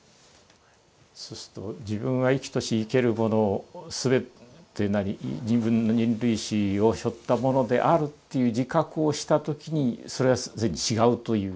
そうすると自分は生きとし生けるもの全てなり人類史をしょったものであるっていう自覚をしたときにそれは違うという。